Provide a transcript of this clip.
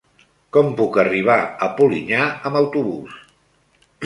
Com puc arribar a Polinyà amb autobús?